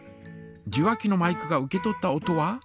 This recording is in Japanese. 受話器のマイクが受け取った音は。